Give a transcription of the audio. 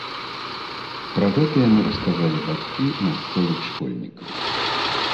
Пра гэта яму расказалі бацькі мясцовых школьнікаў.